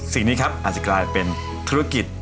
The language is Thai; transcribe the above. สิ่งนี้ครับอาจจะกลายเป็นธุรกิจ